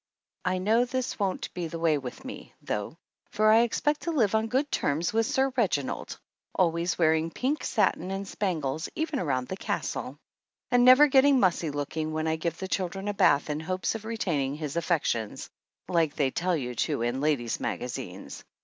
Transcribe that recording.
I know this won't be the way with me, though, for I expect to live on good terms with Sir Reginald, always wearing pink satin and spangles even around the castle; and never getting mussy looking when I give the children a bath in hopes of re taining his affections, like they tell you to in ladies' magazines.